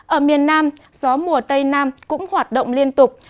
ở miền nam gió mùa tây nam cũng hoạt động liên tục